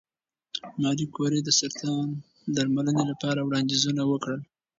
ماري کوري د سرطان د درملنې لپاره وړاندیزونه وکړل.